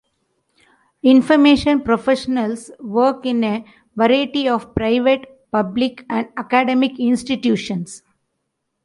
Information professionals work in a variety of private, public, and academic institutions.